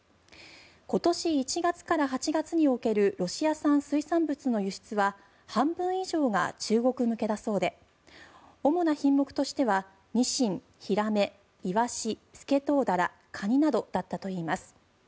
今年１月から８月におけるロシア産水産物の輸出は半分以上が中国向けだそうで主な品目としてはニシン、ヒラメ、イワシスケトウダラカニなどだったといいます。